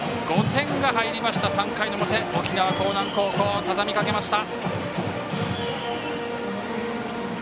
５点が入りました、３回の表沖縄・興南高校たたみかけました。